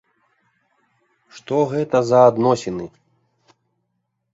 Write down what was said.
Што гэта за адносіны?